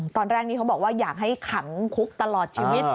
ตอนแรกนี้เขาบอกว่าอยากให้ขังคุกตลอดชีวิต